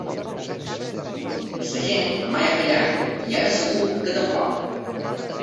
La gent mai ha fallat i ara segur que tampoc.